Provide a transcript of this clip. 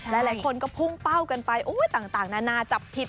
หลายคนก็พุ่งเป้ากันไปต่างนานาจับผิด